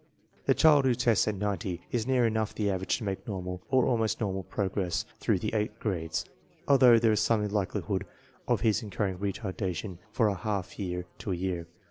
The child who tests at 90 is near enough the average to make normal or almost normal progress through the eight grades, although there is some likelihood of his incurring retardation of a half year to a year.